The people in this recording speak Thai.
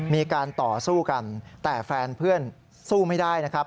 มีการต่อสู้กันแต่แฟนเพื่อนสู้ไม่ได้นะครับ